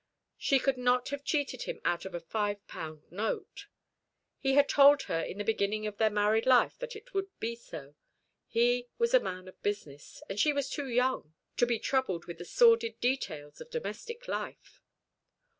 She could not have cheated him out of a five pound note. He had told her in the beginning of their married life that it would be so. He was a man of business, and she was too young to be troubled with the sordid details of domestic life.